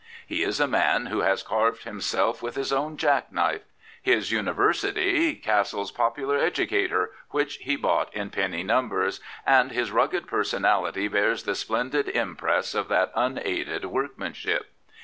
He is a man who has carved himself with his own jack knife — his Uni versity, Cassell's Popular Educator, which he bought in penny numbers — and his rugged personality bears the splendid impress of that unaided workmanship.